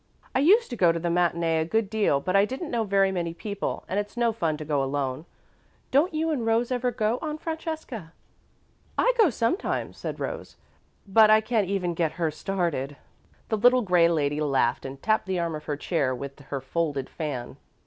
"I used to go to the matinee a good deal, but I didn't know very many people and it's no fun to go alone. Don't you and Rose ever go, Aunt Francesca?" "I go sometimes," said Rose, "but I can't even get her started." The little grey lady laughed and tapped the arm of her chair with her folded fan.